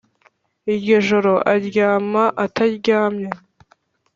iryo joro aryama ataryamye,